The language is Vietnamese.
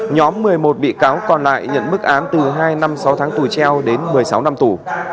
nhóm một mươi một bị cáo còn lại nhận mức án từ hai năm sáu tháng tù treo đến một mươi sáu năm tù